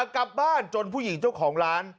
กลับบ้านจนผู้หญิงเจ้าของร้าน